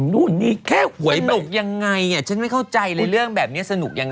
สนุกยังไงฉันไม่เข้าใจเลยเรื่องแบบนี้สนุกยังไง